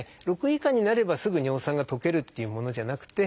６以下になればすぐ尿酸が溶けるっていうものじゃなくて。